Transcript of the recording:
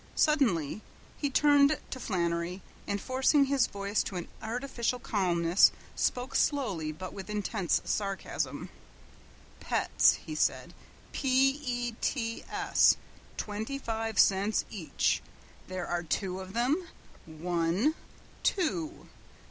Suddenly he turned to Flannery, and forcing his voice to an artificial calmness spoke slowly but with intense sarcasm. "Pets," he said "P e t s! Twenty five cents each. There are two of them. One! Two!